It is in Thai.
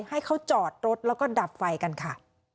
ให้เขาจอดรถแล้วก็ดับไฟกันค่ะ